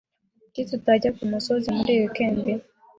Kuki tutajya kumusozi muri iyi weekend?